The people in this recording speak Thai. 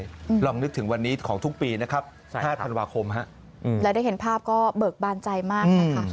คืนกำไรลองนึกถึงวันนี้ของทุกปีนะครับ๕ธันวาคมแล้วได้เห็นภาพก็เบิกบานใจมาก